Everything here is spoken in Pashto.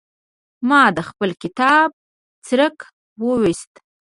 ما د خپل کتاب څرک ويوست.